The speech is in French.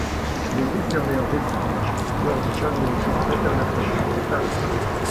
Il est décerné en décembre lors du salon nautique international de Paris.